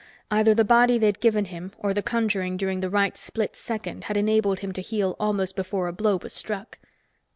Either the body they'd given him or the conjuring during the right split second had enabled him to heal almost before a blow was struck.